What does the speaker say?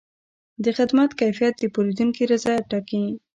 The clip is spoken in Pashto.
د خدمت کیفیت د پیرودونکي رضایت ټاکي.